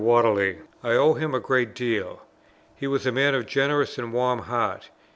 And now as to Dr. Whately. I owe him a great deal. He was a man of generous and warm heart.